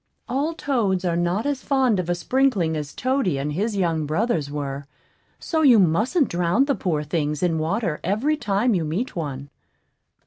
All toads are not as fond of a sprinkling as Toady and his young brothers were; so you mustn't drown the poor things in water every time you meet one.